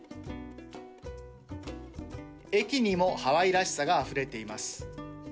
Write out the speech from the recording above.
駅にもハワイらしさがあふれています。